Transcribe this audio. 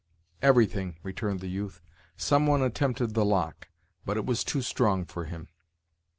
"Everything," returned the youth. "Some one attempted the lock, but it was too strong for him."